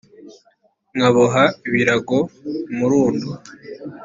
nkaboha ibirago umurundo